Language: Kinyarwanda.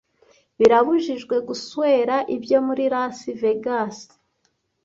Birabujijwe guswera ibyo muri Las Vegas